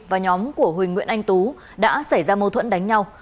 và nhóm của huỳnh nguyễn anh tú đã xảy ra mâu thuẫn đánh nhau